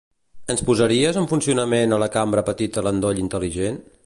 Ens posaries en funcionament a la cambra petita l'endoll intel·ligent?